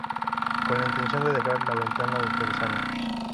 Con la intención de dejar la ventana del sándwich.